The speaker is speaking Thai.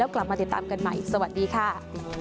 กลับมาติดตามกันใหม่สวัสดีค่ะ